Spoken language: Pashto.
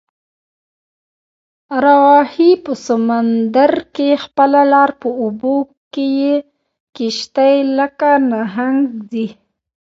راوهي په سمندر کې خپله لاره، په اوبو کې یې کشتۍ لکه نهنګ ځي